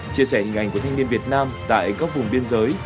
chia sẻ hình ảnh của thanh niên việt nam tại các vùng biên giới